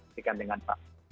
dikat dengan pak